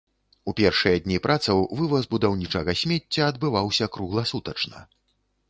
У першыя дні працаў вываз будаўнічага смецця адбываўся кругласутачна.